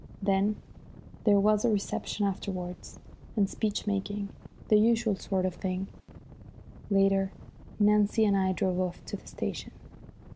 Then there was the reception afterwards, and speech making the usual sort of thing. Later Nancy and I drove off to the station.